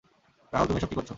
রাহুল তুমি এসব কি করছো?